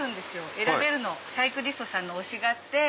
選べるのサイクリストさんの推しがあって。